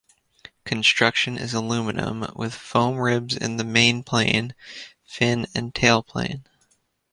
Construction is aluminium, with foam ribs in the mainplane, fin and tailplane.